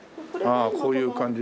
ああこういう感じで。